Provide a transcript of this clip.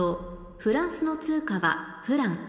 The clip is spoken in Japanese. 「フランスの通貨はフラン」